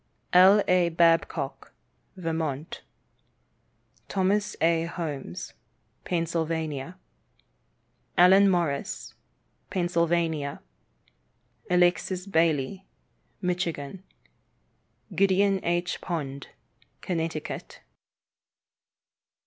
L. A. Babcock, Vermont. Thomas A. Holmes, Pennsylvania. Allen Morrison, Pennsylvania. Alexis Bailly, Michigan. Gideon H. Pond, Connecticut.